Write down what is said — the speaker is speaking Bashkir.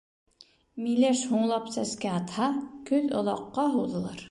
Миләш һуңлап сәскә атһа, көҙ оҙаҡҡа һуҙылыр.